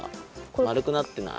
まるくなってない？